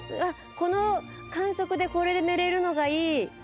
この感触でこれで寝れるのがいい！